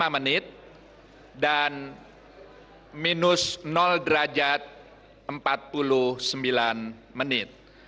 lima menit dan minus derajat empat puluh sembilan menit